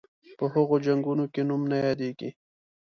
په هغو جنګونو کې نوم نه یادیږي.